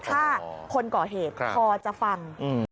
ถ้าคนก่อเหตุพอจะฟัง